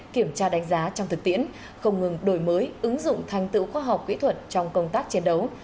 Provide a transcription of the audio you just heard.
kiểm tra đánh giá trong thực tiễn không ngừng đổi mới ứng dụng thành tựu khoa học kỹ thuật trong công tác chiến đấu